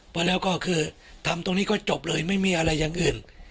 พอแล้วก็คือทำตรงนี้ก็จบเลยไม่มีอะไรอย่างอื่น